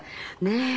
ねえ。